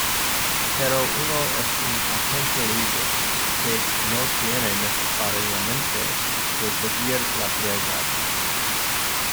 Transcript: Pero uno es un agente libre, que no tiene necesariamente que seguir las reglas.